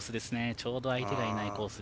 ちょうど相手がいないコースに。